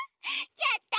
やった！